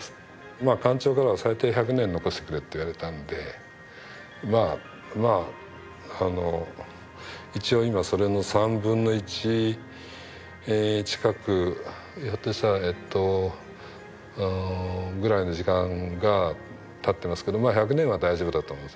館長からは「最低１００年残してくれ」って言われたのでまあまあ一応今それの３分の１近くぐらいの時間がたってますけどまあ１００年は大丈夫だと思うんですね。